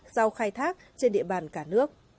sau khai thác trên địa bàn cả nước